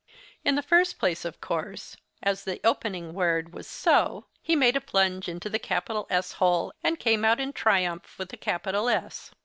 In the first place, of course,—as the opening word was 'So,'—he made a plunge into the capital S hole and came out in triumph with a capital S.